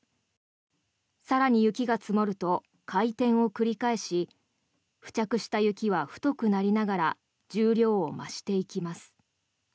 更に雪が積もると回転を繰り返し付着した雪は太くなりながら重量を増していきます。